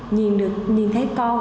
nhìn thấy con